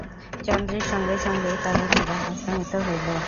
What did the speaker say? চন্দ্রের সঙ্গে সঙ্গেই তাঁহার জীবন অস্তমিত হইল।